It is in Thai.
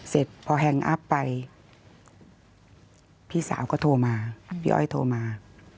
เสร็จพอแฮงอัพไปพี่สาวก็โทรมาพี่อ้อยโทรมา